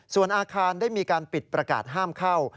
ส่วนอาคารได้มีการปิดประกาศห้ามเข้า